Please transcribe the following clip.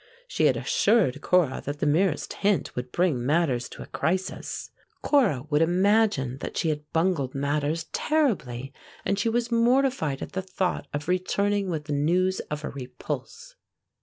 She had assured Cora that the merest hint would bring matters to a crisis. Cora would imagine that she had bungled matters terribly, and she was mortified at the thought of returning with the news of a repulse.